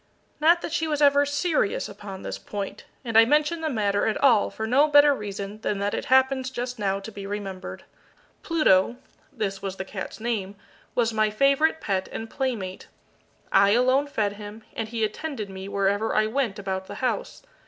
Not that she was ever serious upon this point, and I mention the matter at all for no better reason than that it happens just now to be remembered. Pluto this was the cat's name was my favourite pet and playmate. I alone fed him, and he attended me wherever I went about the house.